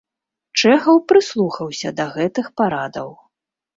Чэхаў прыслухаўся да гэтых парадаў.